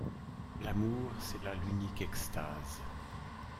L’amour, c’est là l’unique extase.